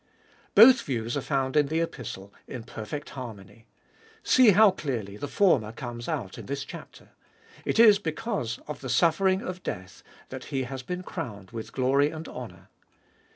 Both views are found in the Epistle in perfect harmony. See how clearly the former comes out in this chapter. It is because of the suffering of death, that He has been crowned with glory and honour.